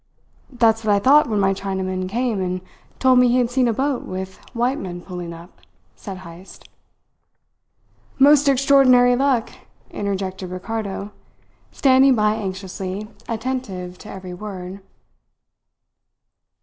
"That's what I thought when my Chinaman came and told me he had seen a boat with white men pulling up," said Heyst. "Most extraordinary luck," interjected Ricardo, standing by anxiously attentive to every word.